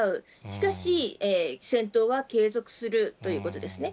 しかし、戦闘は継続するということですね。